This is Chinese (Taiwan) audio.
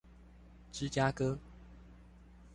芝加哥